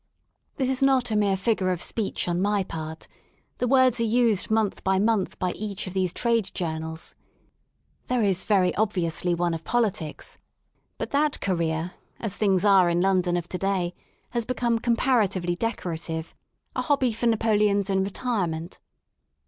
This is not a mere figure of speech on my part: the words are used month by month by each of these Trade Journals, There is very obviously one of politics, but that career/' as things are in London of to day, has become comparatively decorative — a hobby for Napoleons in retirement.